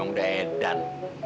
emang udah edan